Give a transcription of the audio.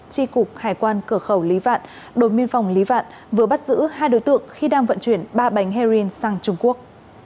tri cục hải quan cửa khẩu lý vạn đồn biên phòng lý vạn vừa bắt giữ hai đối tượng khi đang vận chuyển ba bánh heroin sang trung quốc